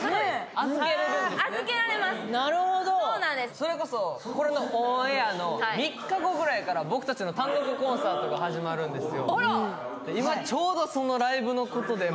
それこそこれのオンエアの３日後ぐらいから僕たちの単独コンサートが始まるんですよ。